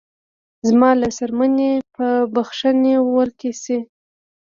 زما له څرمنې به نخښې ورکې شې